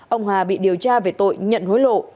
ông hà bị điều tra về tội nhận hối lộ